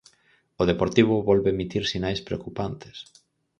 O Deportivo volve emitir sinais preocupantes.